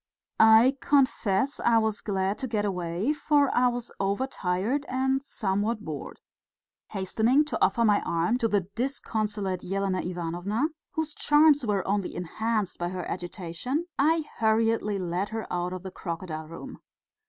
I confess I was glad to get away, for I was overtired and somewhat bored. Hastening to offer my arm to the disconsolate Elena Ivanovna, whose charms were only enhanced by her agitation, I hurriedly led her out of the crocodile room.